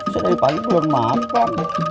saya dari pagi belum makan